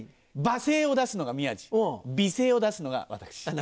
罵声を出すのが宮治美声を出すのが私。